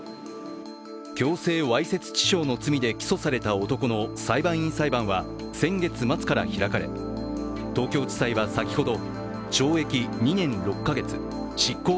強制わいせつ致傷の罪で起訴された男の裁判員裁判は先月末から開かれ東京地裁は先ほど、懲役２年６カ月執行